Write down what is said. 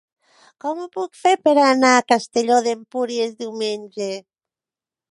Com ho puc fer per anar a Castelló d'Empúries diumenge?